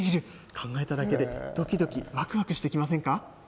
考えただけで、どきどきわくわくしてきませんか？